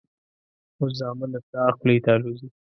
اوس زامن د پلار خولې ته الوزي.